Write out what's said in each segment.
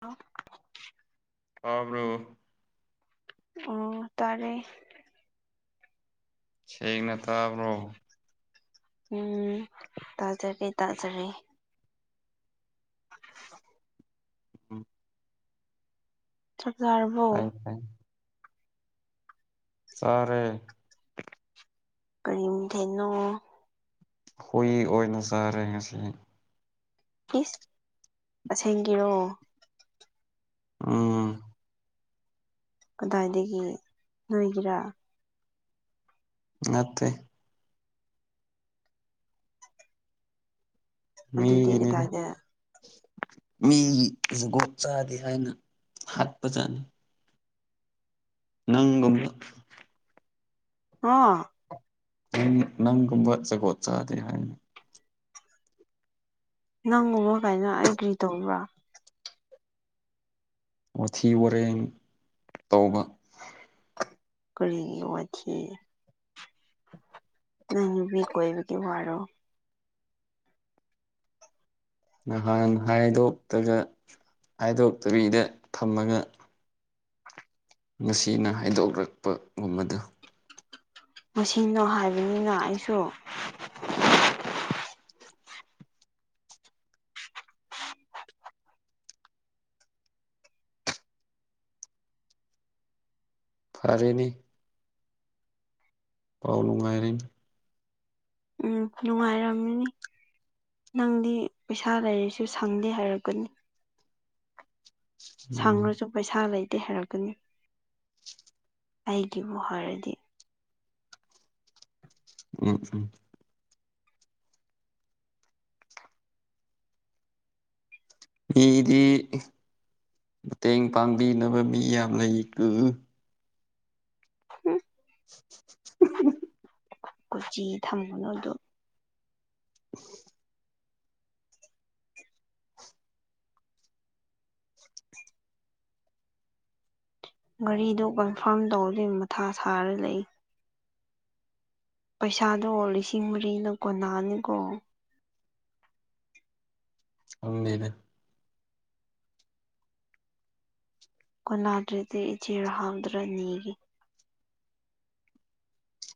hello ꯇꯕ꯭ꯔꯣ ꯑꯣ ꯇꯥꯔꯦ ꯁꯦꯡꯅ ꯇꯥꯕ꯭ꯔꯣ ꯎꯝ ꯇꯥꯖꯔꯤ ꯇꯥꯖꯔꯤ ꯎꯝ ꯆꯥꯔꯕ꯭ꯣ ꯐꯩ ꯐꯩ ꯆꯥꯔꯦ ꯀꯔꯤ ꯃꯊꯦꯜꯅꯣ ꯍꯨꯏ ꯑꯣꯏꯅ ꯆꯥꯔꯦ ꯉꯁꯤ ꯏꯁ ꯑꯁꯦꯡꯒꯤꯔꯣ ꯎꯝ ꯀꯗꯥꯏꯗꯒꯤ ꯅꯣꯏꯒꯤꯔꯥ ꯅꯠꯇꯦ ꯑꯗꯨꯗꯤ ꯃꯤꯒꯤꯅꯦꯗ ꯀꯗꯥꯏꯗ ꯃꯤꯒꯤ ꯖꯨꯒꯣꯠ ꯆꯥꯗꯦ ꯍꯥꯏꯅ ꯍꯥꯠꯄꯖꯥꯠꯅꯤ ꯅꯪꯒꯨꯝꯕ ꯍꯥ ꯅꯪ ꯅꯪꯒꯨꯝꯕ ꯖꯒꯣꯠ ꯆꯥꯗꯦ ꯍꯥꯏꯅ ꯅꯪꯒꯨꯝꯃ ꯀꯥꯏꯅ ꯑꯩ ꯀ꯭ꯔꯤ ꯇꯧꯕ꯭ꯔꯥ ꯋꯥꯊꯤ ꯋꯥꯔꯦꯡ ꯇꯧꯕ ꯀꯔꯤꯒꯤ ꯋꯥꯊꯤ ꯅꯪ ꯅꯨꯄꯤ ꯀꯣꯏꯕꯒꯤ ꯋꯥꯔꯣ ꯅꯍꯥꯟ ꯍꯥꯏꯗꯣꯛꯇꯒ ꯍꯥꯏꯗꯣꯛꯇꯕꯤꯗ ꯊꯝꯃꯒ ꯉꯁꯤꯅ ꯍꯥꯏꯗꯣꯛꯔꯛꯄꯒꯨꯝꯕꯗꯨ ꯃꯁꯤꯅꯣ ꯍꯥꯏꯕꯅꯤꯅ ꯑꯩꯁꯨ ꯐꯔꯦꯅꯦ ꯄꯥꯎ ꯅꯨꯡꯉꯥꯏꯔꯤ ꯎꯝ ꯅꯨꯡꯉꯥꯏꯔꯝꯃꯤꯅꯤ ꯅꯪꯗꯤ ꯄꯩꯁꯥ ꯂꯩꯔꯁꯨ ꯁꯪꯗꯦ ꯍꯥꯏꯔꯛꯀꯅꯤ ꯎꯝ ꯁꯪꯔꯁꯨ ꯄꯩꯁꯥ ꯂꯩ ꯇꯦ ꯍꯥꯏꯔꯛꯀꯅꯤ ꯑꯩꯒꯤꯕꯨ ꯍꯥꯏꯔꯗꯤ ꯎꯝ ꯎꯝ ꯃꯤꯗꯤ ꯃꯇꯦꯡ ꯄꯥꯡꯕꯤꯅꯕ ꯃꯤ ꯌꯥꯝ ꯂꯩꯀꯨ [unintelligible] [unintelligible] ꯀꯣꯆꯤ ꯊꯝꯒꯅꯣꯗꯣ [inaudible] ꯒꯥꯔꯤꯗꯨ ꯀꯟꯐꯥꯔꯝ ꯇꯧꯔꯗꯤ ꯃꯊꯥ ꯁꯥꯔ ꯂꯩ ꯄꯩꯁꯥꯗꯣ ꯂꯤꯁꯤꯡ ꯃꯔꯤꯅ ꯀꯣꯟꯅꯅꯤꯀꯣ ꯈꯪꯗꯦꯗ ꯀꯣꯅꯥꯗ꯭ꯔꯥꯗꯤ ꯏꯆꯦ ꯔꯥꯍꯥꯝꯗꯥꯔ ꯅꯤꯒꯦ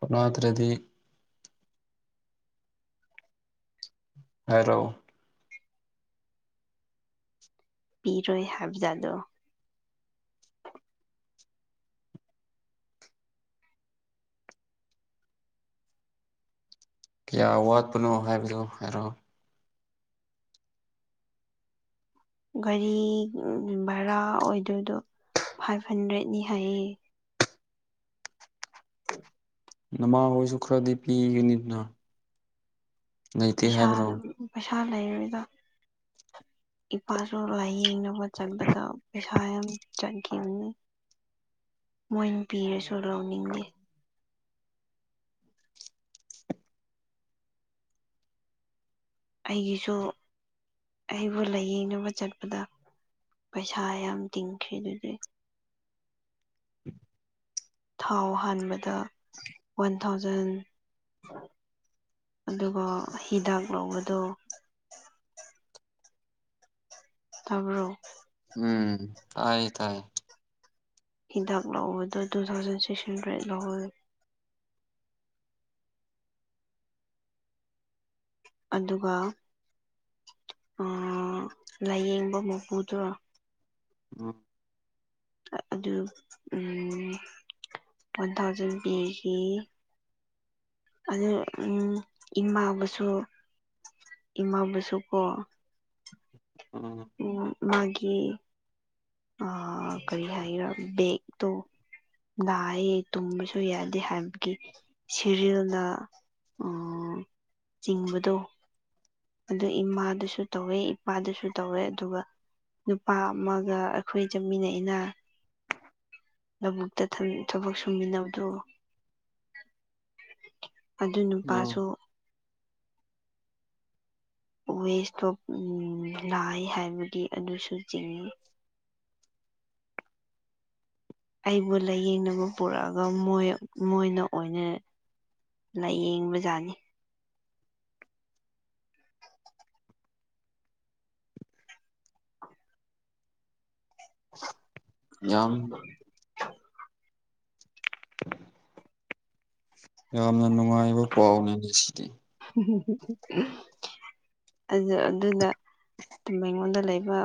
ꯀꯣꯅꯥꯥꯗ꯭ꯔꯗꯤ ꯍꯥꯏꯔꯣ ꯄꯤꯔꯣꯏ ꯍꯥꯏꯕꯖꯗꯣ ꯀꯌꯥ ꯋꯥꯠꯄꯅꯣ ꯍꯥꯏꯕꯗꯣ ꯍꯥꯏꯔꯛꯑꯣ ꯒꯥꯔꯤ ꯚꯔꯥ ꯑꯣꯏꯗꯣꯏꯗꯣ ꯐꯥꯏꯚ ꯍꯟꯗ꯭ꯔꯦꯠꯅꯤ ꯍꯥꯏꯌꯦ [inaudible] ꯅꯃꯥ ꯍꯣꯏꯁꯨ ꯈꯔꯗꯤ ꯄꯤꯒꯅꯤꯅ ꯂꯩꯇꯦ ꯄꯩꯁꯥ ꯍꯥꯏꯕ꯭ꯔꯣ ꯄꯩꯁꯥ ꯂꯩꯔꯣꯏꯗ [inaudible] ꯏꯄꯥꯁꯨ ꯂꯥꯏꯌꯦꯡꯅꯕ ꯆꯠꯄꯗ ꯄꯩꯁꯥ ꯌꯥꯝ ꯆꯠꯈꯤꯅꯤ ꯃꯣꯏꯅ ꯄꯤꯔꯁꯨ ꯂꯧꯅꯤꯡꯗꯦ ꯑꯩꯒꯤꯁꯨ ꯑꯩꯕꯨ ꯂꯥꯏꯌꯦꯡꯅꯕ ꯆꯠꯄꯗ ꯄꯩꯁꯥ ꯌꯥꯝ ꯇꯤꯡꯈ꯭ꯔꯦ ꯑꯗꯨꯗꯤ ꯊꯥꯎ ꯍꯥꯟꯕꯗ ꯋꯥꯟ ꯊꯥꯎꯖꯟ ꯑꯗꯨꯒ ꯍꯤꯗꯥꯛ ꯂꯧꯕꯗꯣ ꯇꯥꯕ꯭ꯔꯣ ꯎꯝ ꯇꯥꯏ ꯇꯥꯏ ꯍꯤꯗꯥꯛ ꯂꯧꯕꯗ ꯇꯨ ꯊꯥꯎꯖꯟ ꯁꯤꯛꯁꯍꯟꯗ꯭ꯔꯦꯠ ꯂꯧꯍꯧꯌꯦ ꯑꯗꯨꯒ ꯑꯥ ꯂꯥꯏꯌꯦꯡꯕ ꯃꯄꯨꯗꯣ ꯎꯝ ꯑꯗꯨ ꯎꯝ ꯋꯥꯟ ꯊꯥꯎꯖꯟ ꯕꯤ ꯒꯤ ꯑꯗꯨ ꯎꯝ ꯏꯃꯥꯕꯨꯁꯨ ꯏꯃꯥꯕꯨꯁꯨ ꯀꯣ ꯑꯥ ꯃꯥꯒꯤ ꯑ ꯀꯔꯤ ꯍꯥꯏꯒꯦꯔ ꯕꯦꯛꯇꯣ ꯅꯥꯏꯌꯦ ꯇꯨꯝꯕꯁꯨ ꯌꯥꯗꯦ ꯍꯥꯏꯕꯒꯤ ꯁꯦꯔꯤꯜꯅꯗ ꯑꯥ ꯆꯤꯡꯕꯗꯣ ꯑꯗꯨ ꯏꯃꯥꯗꯨꯁꯨ ꯇꯧꯋꯦ ꯏꯄꯥꯗꯨꯁꯨ ꯇꯧꯔꯦ ꯑꯗꯨꯒ ꯅꯨꯄꯥ ꯑꯃꯒ ꯑꯩꯈꯣꯏ ꯆꯠꯃꯤꯟꯅ ꯏꯅ ꯂꯧꯕꯨꯛꯇ ꯊꯃ ꯊꯕꯛ ꯁꯨꯃꯤꯟꯅꯕꯗꯨ [inaudible] ꯑꯗꯨ ꯎꯝ ꯅꯨꯄꯥꯁꯨ ꯋꯦꯁꯇꯣꯞ ꯎꯝ ꯅꯥꯏꯌꯦ ꯍꯥꯏꯕꯒꯤ ꯑꯗꯨꯁꯨ ꯆꯤꯡꯏ ꯑꯩꯕꯨ ꯂꯥꯏꯌꯦꯡꯅꯕ ꯄꯨꯔꯛꯑꯒ ꯃꯣꯏ ꯃꯣꯏꯅ ꯑꯣꯏꯅ ꯂꯥꯏꯌꯦꯡꯕꯖꯥꯠꯅꯤ ꯌꯥꯝ ꯌꯥꯝꯅ ꯅꯨꯡꯉꯥꯏꯕ ꯄꯥꯎꯅꯤ ꯉꯁꯤꯗꯤ ꯑꯗꯨ ꯑꯗꯨꯅ ꯑꯩꯉꯣꯟꯗ ꯂꯩꯕ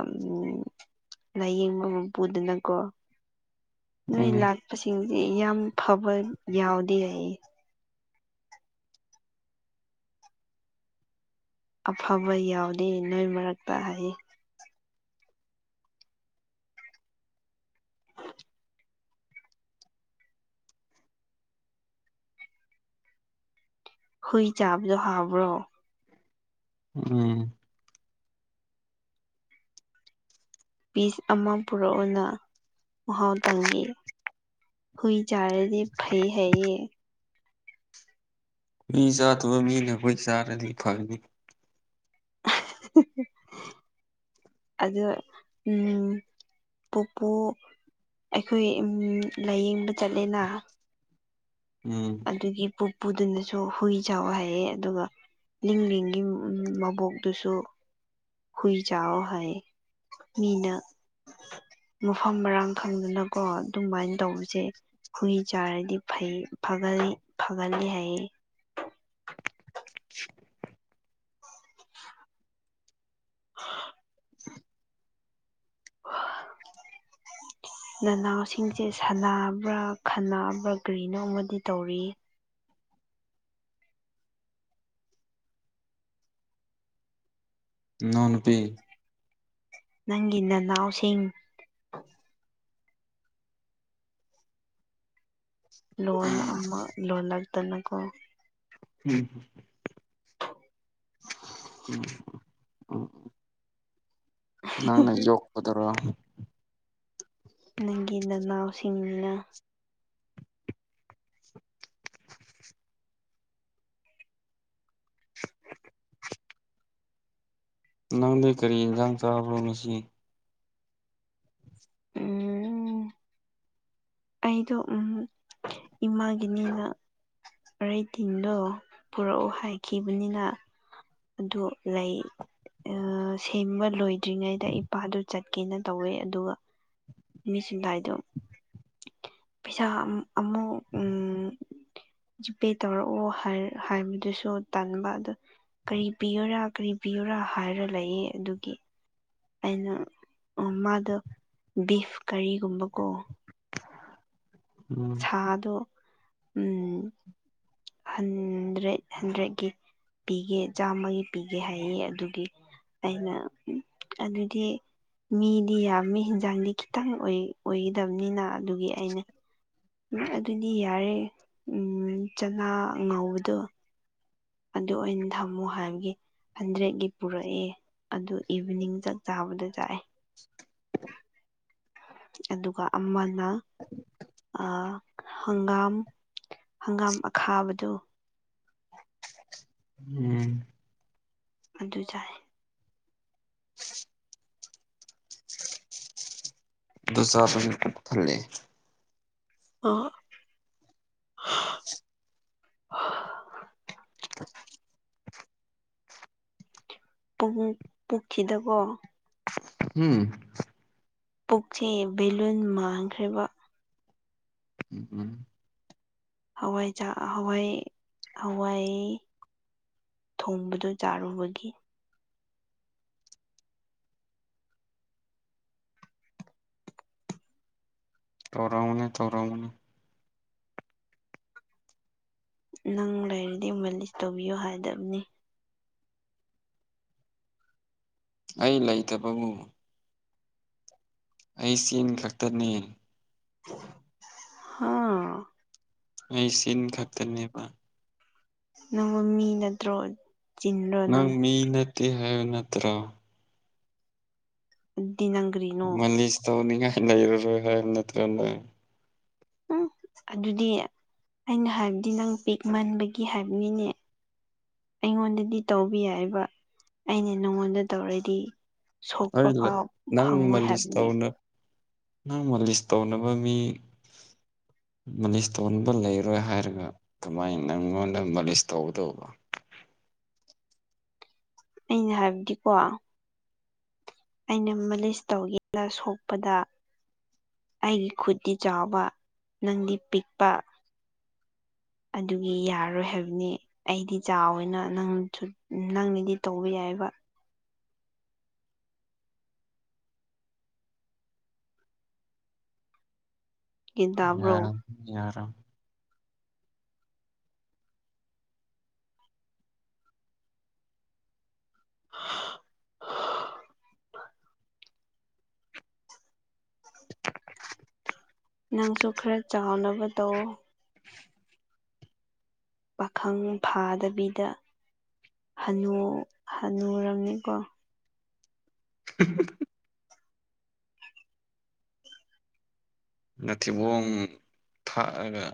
ꯂꯥꯏꯌꯦꯡꯕ ꯃꯄꯨꯗꯨꯅꯀꯣ ꯅꯣꯏ ꯎꯝ ꯂꯥꯛꯄꯁꯤꯡꯁꯦ ꯌꯥꯝ ꯐꯕ ꯌꯥꯎꯗꯦ ꯍꯥꯏꯌꯦ ꯑꯐꯕ ꯌꯥꯎꯗꯦ ꯅꯣꯏ ꯃꯔꯛꯇ ꯍꯥꯏꯌꯦ ꯍꯨꯏ ꯆꯥꯕꯗꯣ ꯍꯥꯕ꯭ꯔꯣ ꯎꯝ ꯄꯤꯁ ꯑꯃ ꯄꯨꯔꯛꯎꯅ ꯃꯍꯥꯎ ꯇꯪꯒꯦ ꯍꯨꯏ ꯌꯥꯔꯗꯤ ꯐꯩ ꯍꯥꯏ ꯌꯦ ꯍꯨꯏ ꯆꯥꯗꯕ ꯃꯤꯅ ꯍꯨꯏ ꯆꯥꯔꯗꯤ ꯐꯒꯅꯤ ꯍꯍ ꯑꯗꯣ ꯎꯝ ꯄꯨꯄꯨ ꯑꯩꯈꯣꯏ ꯏꯃꯨꯡ ꯂꯥꯏꯌꯦꯡꯕ ꯆꯠꯂꯦꯅ ꯎꯝ ꯗꯨꯒꯤ ꯄꯨꯄꯨꯗꯨꯅꯁꯨ ꯍꯨꯏ ꯆꯥꯎꯑꯣ ꯍꯥꯏꯌꯦ ꯑꯗꯨꯒ ꯂꯤꯡꯂꯤꯡꯒꯤ ꯃꯕꯣꯛꯇꯨꯁꯨ ꯍꯨꯏ ꯆꯥꯑꯣ ꯍꯥꯏꯌꯦ ꯃꯤꯅ ꯃꯐꯝ ꯃꯔꯥꯡ ꯈꯪꯗꯅꯀꯣ ꯑꯗꯨꯃꯥꯏ ꯇꯧꯕꯁꯦ ꯍꯨꯏ ꯆꯥꯔꯗꯤ ꯐꯩ ꯐꯒꯜꯂꯤ ꯐꯒꯜꯂꯤ ꯍꯥꯏꯌꯦ [inaudible] [inaudible] [inaudible] ꯅꯅꯥꯎꯁꯤꯡꯁꯦ ꯁꯥꯟꯅꯕ꯭ꯔꯥ ꯈꯟꯅꯕ꯭ꯔꯥ ꯀꯔꯤꯅꯣ ꯑꯃꯗꯤ ꯇꯧꯔꯤꯌꯦ ꯅꯥꯎ ꯅꯨꯄꯤ ꯅꯪꯒꯤ ꯅꯅꯥꯎꯁꯤꯡ ꯂꯣꯟ ꯑꯃ ꯂꯣꯜꯂꯛꯇꯅꯀꯣ ꯍꯝ [inaudible] ꯎꯝ ꯎꯝ ꯅꯪꯅ ꯌꯣꯛꯄꯗꯨꯔꯣ ꯅꯪꯒꯤ ꯅꯅꯥꯎꯁꯤꯡꯅ ꯅꯪꯗꯤ ꯀꯔꯤ ꯏꯟꯁꯥꯡ ꯆꯥꯕ꯭ꯔꯣ ꯉꯁꯤ ꯎꯝ ꯑꯩꯗꯣ ꯎꯝ ꯏꯃꯥꯒꯤꯅꯤꯅ ꯑꯔꯩ ꯊꯤꯡꯗꯣ ꯄꯨꯔꯛꯑꯣ ꯍꯥꯏꯈꯤꯕꯅꯤꯅ ꯑꯗꯨ ꯂꯩ ꯁꯦꯝꯕ ꯂꯣꯏꯗ꯭ꯔꯤꯉꯩꯗ ꯏꯄꯥꯗꯨ ꯆꯠꯀꯦꯅ ꯇꯧꯋꯦ ꯑꯗꯨꯒ ꯃꯤ ꯁꯤꯝꯗꯥꯏꯗꯣ ꯄꯩꯁꯥ ꯑꯃ [unintelligible] ꯖꯤꯄꯦ ꯇꯧꯔꯛꯑꯣ ꯍꯥꯏ ꯍꯥꯏꯕꯗꯨꯁꯨ ꯇꯟꯕ ꯑꯗ ꯀꯩ ꯄꯤꯌꯣꯔꯥ ꯀꯔꯤ ꯄꯤꯌꯣꯔꯥ ꯍꯥꯏꯔ ꯂꯩꯌꯦ ꯑꯗꯨꯒꯤ ꯑꯩꯅ ꯎꯝ ꯃꯥꯗꯣ ꯕꯤꯐ ꯀꯔꯤꯒꯨꯝꯕꯀꯣ ꯎꯝ ꯁꯥꯗꯣ ꯎꯝ ꯍꯟꯗ꯭ꯔꯦꯠ ꯍꯟꯗ꯭ꯔꯦꯠꯀꯤ ꯄꯤꯒꯦ ꯆꯥꯝꯃꯒꯤ ꯄꯤꯒꯦ ꯍꯥꯏꯌꯦ ꯑꯗꯨꯒꯤ ꯑꯩꯅ ꯑꯗꯨꯗꯤ ꯃꯤꯗꯤ ꯌꯥꯝꯃꯤ ꯍꯤꯟꯖꯥꯡꯗꯤ ꯈꯤꯇꯪ ꯑꯣꯏ ꯑꯣꯏꯒꯗꯕꯅꯤꯅ ꯑꯗꯨꯒꯤ ꯑꯩꯅ ꯎꯝ ꯑꯗꯨꯗꯤ ꯌꯥꯔꯦ ꯎꯝ ꯆꯅꯥ ꯉꯧꯕꯗꯣ ꯑꯗꯨ ꯑꯣꯏ ꯊꯝꯃꯨ ꯍꯥꯏꯕꯒꯤ ꯍꯟꯗ꯭ꯔꯦꯠꯀꯤ ꯄꯨꯔꯛꯑꯦ ꯑꯗꯨ ꯏꯚꯤꯅꯤꯡ ꯆꯥꯛ ꯆꯥꯕꯗ ꯆꯥꯏꯑꯦ ꯑꯗꯨꯒ ꯑꯃꯅ ꯑꯥ ꯍꯪꯒꯥꯝ ꯍꯪꯒꯥꯝ ꯑꯈꯥꯕꯗꯨ ꯎꯝ ꯑꯗꯨ ꯆꯥꯏ ꯗꯨ ꯆꯥꯁꯜꯂ [unintelligible] [unintelligible] [unintelligible] ꯄꯥꯕꯨꯡ ꯄꯨꯈꯤꯗꯀꯣ ꯎꯝ ꯄꯨꯛꯆꯦ ꯚꯦꯂꯨꯟ ꯃꯥꯡꯈ꯭ꯔꯦꯕ ꯎꯝ ꯍꯋꯥꯏꯖꯥ ꯍꯋꯥꯏ ꯍꯋꯥꯏ ꯊꯣꯡꯕꯗꫭ ꯆꯥꯔꯨꯕꯒꯤ ꯇꯧꯔꯝꯒꯅꯦ ꯇꯧꯔꯝꯒꯅꯦ ꯅꯪ ꯂꯩꯔꯗꯤ ꯃꯥꯂꯤꯁ ꯇꯧꯕꯤꯌꯨ ꯍꯥꯏꯗꯞꯅꯦ ꯑꯩ ꯂꯩꯥꯇꯕꯕꯨ ꯑꯩ ꯆꯤꯟ ꯈꯛꯇꯅꯦ ꯍꯥ ꯑꯩꯩ ꯆꯤꯟ ꯈꯛꯇꯅꯦꯕ ꯅꯪꯕꯨ ꯃꯤ ꯅꯠꯇ꯭ꯔꯣ ꯅꯪ ꯃꯤ ꯅꯠꯇꯦ ꯍꯥꯏꯕ ꯅꯠꯇ꯭ꯔꫭ ꯑꯗꯨꯗꯤ ꯅꯪ ꯀꯔꯤꯅꯣ ꯃꯥꯂꯤꯁ ꯇꯧꯅꯤꯡꯉꯥꯏ ꯂꯩꯔꯔꯣꯏ ꯍꯥꯏꯕ ꯅꯠꯇ꯭ꯔꫭ ꯅꯪ ꯎꯝ ꯑꯗꯨꯗꯤ ꯑꯩꯅ ꯍꯥꯏꯞꯗꯤ ꯅꯪ ꯄꯤꯛꯃꯟꯕꯒꯤ ꯍꯥꯏꯞꯅꯤꯅꯦ ꯑꯩꯉꯣꯟꯗꯗꯤ ꯇꯧꯕ ꯌꯥꯏꯕ ꯑꯩꯅ ꯅꯉꯣꯟꯗ ꯇꯧꯔꯗꯤ ꯁꯣꯛꯄ ꯑꯩ ꯂꯩ ꯐꯥꯎ ꯅꯪ ꯐꯪꯉꯣꯏ ꯃꯥꯂꯤꯁ ꯍꯥꯏꯕꯅꯦ ꯇꯧꯅ ꯅꯪ ꯃꯥꯂꯤꯁ ꯇꯧꯅꯕ ꯃꯤ ꯃꯥꯂꯤꯁ ꯇꯧꯅꯕ ꯂꯩꯔꯔꯣꯏ ꯍꯥꯏꯔꯒ ꯀꯝꯃꯥꯏꯅ ꯅꯪꯉꯣꯟꯗ ꯃꯥꯂꯤꯁ ꯇꯧꯒꯗꯧꯕ [inaudible] ꯑꯩꯅ ꯍꯥꯏꯞꯗꯤꯀꯣ ꯑꯩꯅ ꯃꯥꯂꯤꯁ ꯇꯧꯒꯦꯅ‌ ꯁꯣꯛꯄꯗ ꯑꯩꯒꯤ ꯈꯨꯠꯇꯤ ꯆꯥꯎꯕ ꯅꯪꯗꯤ ꯄꯤꯛꯄ ꯑꯗꯨꯒꯤ ꯌꯥꯔꯔꯣꯏ ꯍꯥꯏꯕꯅꯦ ꯑꯩꯗꯤ ꯆꯥꯎꯋꯦꯅ ꯅꯪꯁꯨ ꯅꯪꯅꯗꯤ ꯇꯧꯕ ꯌꯥꯏ ꯍꯥꯏꯕ ꯒ꯭ꯌꯥꯟ ꯇꯥꯕ꯭ꯔꯣ ꯌꯥꯔꯣ ꯌꯥꯔꯣ [unintelligible] ꯅꯪꯁꯨ ꯈꯔ ꯆꯥꯎꯅꯕ ꯇꯧꯋꫭ [inaudible] ꯄꯥꯈꯪ ꯐꯥꯗꯕꯤꯗ ꯍꯅꯨ ꯍꯅꯨꯔꯝꯅꯤꯀꯣ [unintelligible] ꯅꯊꯤꯕꯣꯡ ꯊꯥꯛꯑꯒ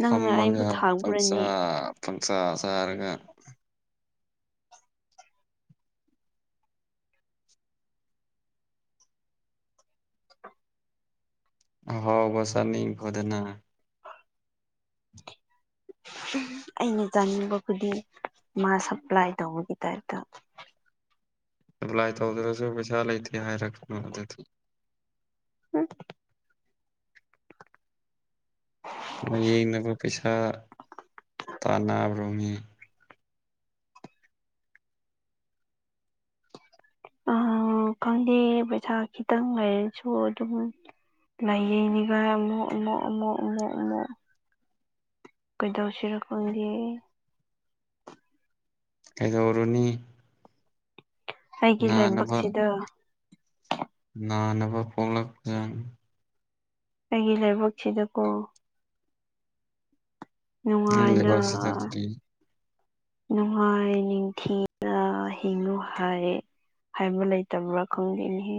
ꯅꯪꯅ ꯑꯩꯕꯨ ꯐꯝꯃꯒ ꯄꯪꯆꯥ ꯊꯥꯛꯕ꯭ꯔꯅꯦ ꯄꯪꯆꯥ ꯆꯥꯔꯒ ꯑꯍꯥꯎꯕ ꯆꯥꯅꯤꯡꯈꯣꯗꯅ [unintelligible] ꯑꯩꯅ ꯆꯥꯅꯤꯡꯕ ꯈꯨꯗꯤꯡ ꯃꯥ ꯁꯄ꯭ꯂꯥꯏ ꯇꯧꯕꯒꯤ ꯇꯥꯏꯞꯇ ꯁꯄ꯭ꯂꯥꯏ ꯇꯧꯗ꯭ꯔꯁꯨ ꯄꯩꯁꯥ ꯂꯩꯇꯦ ꯍꯥꯏꯔꯛꯀꯅꫭ ꯑꯗꯨꯗꯤ [unintelligible] ꯂꯥꯌꯦꯡꯅꯕ ꯄꯩꯁꯥ ꯇꯥꯟꯅꯕ꯭ꯔꯣ ꯃꯤ [inaudible] [unintelligible] ꯈꯪꯗꯦ ꯄꯩꯁꯥ ꯈꯤꯇꯪ ꯂꯩꯔꯁꯨ ꯑꯗꯨꯝ ꯂꯩꯥꯌꯦꯡꯅꯤꯒꯥꯏ ꯑꯃꯨꯛ ꯑꯃꯨꯛ ꯑꯃꯨꯛ ꯑꯃꯨꯛ ꯑꯃꯨꯛ ꯀꯩꯗꯧꯁꯤꯔ ꯈꯪꯗꯦ ꯀꯩꯗꯧꯔꯨꯅꯤ ꯑꯩꯒꯤ ꯅꯥꯅꯕ ꯂꯥꯏꯕꯛꯁꯤꯗ ꯅꯥꯅꯕ ꯄꯣꯛꯂꯛꯄ ꯖꯥꯠꯅꯤ ꯑꯩꯒꯤ ꯂꯥꯏꯕꯛꯁꯤꯗꯤꯀꯣ ꯅꯣꯏ ꯅꯨꯡꯉꯥꯏꯅ ꯂꯩꯕꯥꯛꯁꯤꯗ ꯀꯔꯤ ꯅꯨꯡꯉꯥꯏ ꯅꯤꯡꯊꯤꯅ ꯍꯤꯡꯉꯨ ꯍꯥꯏ ꯍꯥꯏꯕ ꯂꯩꯇꯕ꯭ꯔꯥ ꯈꯪꯗꯦꯅꯦ